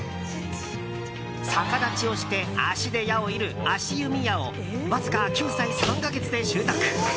逆立ちをして足で矢を射る足弓矢をわずか９歳３か月で習得。